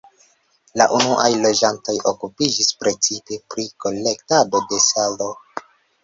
La unuaj loĝantoj okupiĝis precipe pri kolektado de salo.